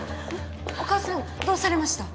お母さんどうされました？